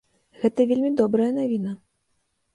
Гэта вельмі добрая навіна.